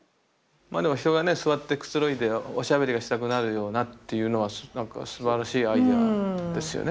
まあでも人がね座ってくつろいでおしゃべりがしたくなるようなっていうのはなんかすばらしいアイデアですよね。